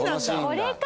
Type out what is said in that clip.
これか！